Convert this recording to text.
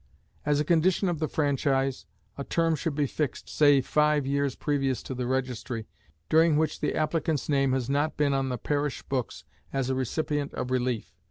As a condition of the franchise, a term should be fixed, say five years previous to the registry, during which the applicant's name has not been on the parish books as a recipient of relief.